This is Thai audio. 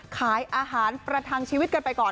ขายอาหารประทังชีวิตกันไปก่อน